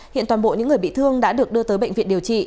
hiện toàn bộ những người bị thương đã được đưa tới bệnh viện điều trị